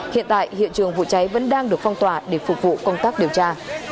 hiện tại hiện trường vụ cháy vẫn đang được phong tỏa để phục vụ công tác điều tra